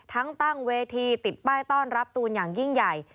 ทั้งตั้งเวทีติดป้ายต้อนรับตูนอย่างยิ่งใหญ่